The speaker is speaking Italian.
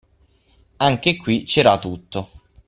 Anche qui c'era tutto.